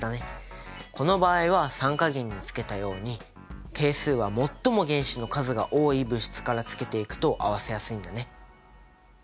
この場合は酸化銀につけたように係数は最も原子の数が多い物質からつけていくと合わせやすいんだね。